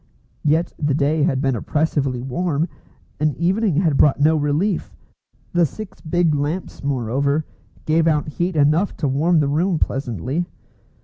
Yet the day had been oppressively warm, and evening had brought no relief. The six big lamps, moreover, gave out heat enough to warm the room pleasantly.